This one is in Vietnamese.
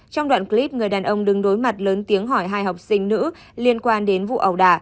trong đoạn clip người đàn ông đứng đối mặt lớn tiếng hỏi hai học sinh nữ liên quan đến vụ ẩu đả